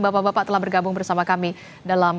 bapak bapak telah bergabung bersama kami dalam